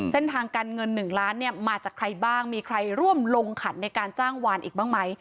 เส้นทางการเงิน๑ล้านเนี่ยมาจากใครบ้างมีใครร่วมลงขันในการจ้างวานอีกบ้างไหม